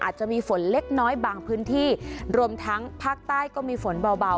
อาจจะมีฝนเล็กน้อยบางพื้นที่รวมทั้งภาคใต้ก็มีฝนเบา